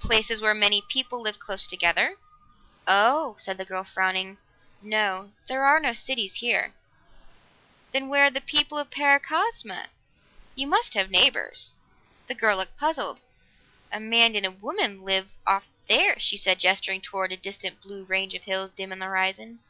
"Places where many people live close together." "Oh," said the girl frowning. "No. There are no cities here." "Then where are the people of Paracosma? You must have neighbors." The girl looked puzzled. "A man and a woman live off there," she said, gesturing toward a distant blue range of hills dim on the horizon.